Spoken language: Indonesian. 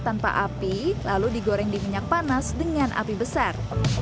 tanpa api lalu digoreng di minyak panas dengan api besar